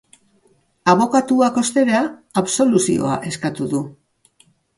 Abokatuak, ostera, absoluzioa eskatu du.